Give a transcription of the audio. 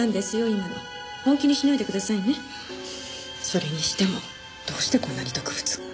それにしてもどうしてこんなに毒物が。